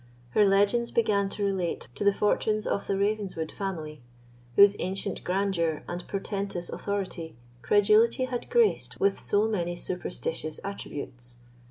Her legends began to relate to the fortunes of the Ravenswood family, whose ancient grandeur and portentous authority credulity had graced with so many superstitious attributes.